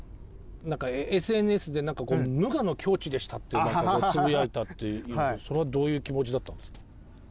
ＳＮＳで「無我の境地でした」ってつぶやいたっていうんですけどそれはどういう気持ちだったんですか？